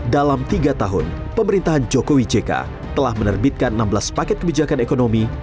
dalam tiga tahun pemerintahan jokowi jk telah menerbitkan enam belas paket kebijakan ekonomi